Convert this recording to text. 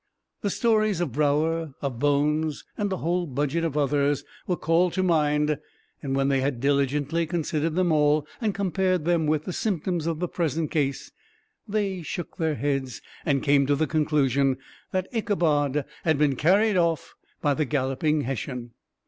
The stories of Brouwer, of Bones, and a whole budget of others, were called to mind; and when they had diligently considered them all, and compared them with the symptoms of the present case, they shook their heads, and came to the conclusion that Ichabod had been carried off by the galloping Hessian.